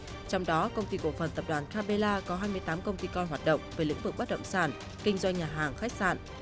trong đó công ty cổ phần tập đoàn capella có hai mươi tám công ty con hoạt động về lĩnh vực bất động sản kinh doanh nhà hàng khách sạn